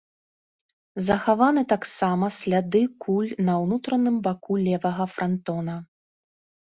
Захаваны таксама сляды куль на ўнутраным баку левага франтона.